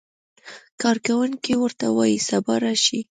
کارکوونکی ورته وایي سبا راشئ.